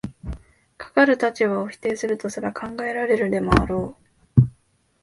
かかる立場を否定するとすら考えられるでもあろう。